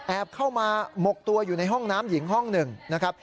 เข้ามาหมกตัวอยู่ในห้องน้ำหญิงห้องหนึ่งนะครับ